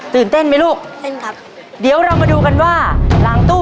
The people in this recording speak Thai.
เต้นไหมลูกเต้นครับเดี๋ยวเรามาดูกันว่าหลังตู้